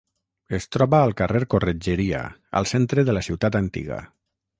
Es troba al carrer Corretgeria, al centre de la ciutat antiga.